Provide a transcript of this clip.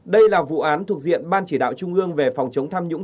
đây là vụ án thuộc diện ban chỉ đạo trung ương về phòng chống tham nhũng